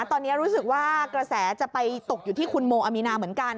ตอนนี้รู้สึกว่ากระแสจะไปตกอยู่ที่คุณโมอามีนาเหมือนกัน